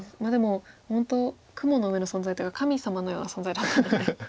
でも本当雲の上の存在というか神様のような存在だったんで。